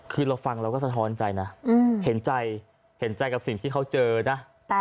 คือเราฟังเราก็สะท้อนใจนะเห็นใจเห็นใจกับสิ่งที่เขาเจอนะ